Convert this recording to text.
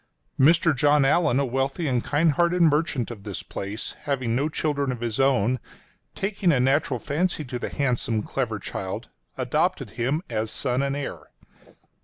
Mr. John Allan, a wealthy and kind hearted merchant of this place, having no children of his own, taking a natural fancy to the handsome, clever child, adopted him as son and heir.